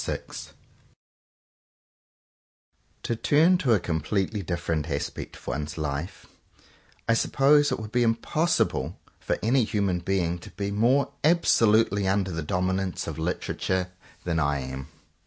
7S VI To TURN to a completely different aspect of one's life; I suppose it would be impossible for any human being to be more absolutely under the dominance of Literature than I am.